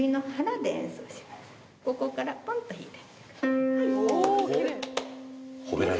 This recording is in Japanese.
ここからポンと弾いて。